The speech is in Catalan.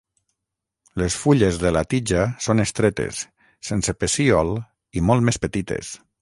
Les fulles de la tija són estretes, sense pecíol i molt més petites.